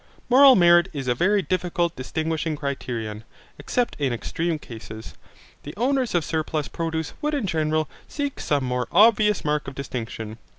Moral merit is a very difficult distinguishing criterion, except in extreme cases. The owners of surplus produce would in general seek some more obvious mark of distinction.